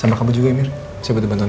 sama kamu juga mir bisa bantu bantu kamu